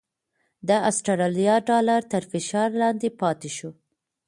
د اسټرالیا ډالر تر فشار لاندې پاتې شو؛